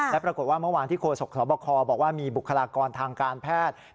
และปรากฏว่าเมื่อวานที่โศกสบคบอกว่ามีบุคลากรทางการแพทย์